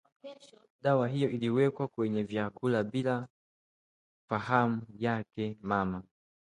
Dawa hiyo iliwekwa kwenye vyakula bila fahamu yake mama